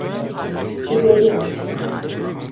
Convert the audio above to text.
digeriyan